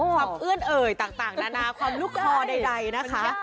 เอื้อนเอ่ยต่างนานาความลูกคอใดนะคะ